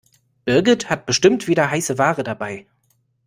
Birgit hat bestimmt wieder heiße Ware dabei.